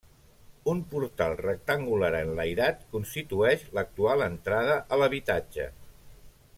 Un portal rectangular enlairat constitueix l'actual entrada a l'habitatge.